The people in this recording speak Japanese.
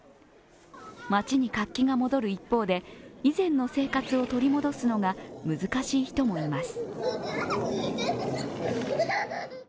街に活気が戻る一方で以前の生活を取り戻すのが難しい人もいます。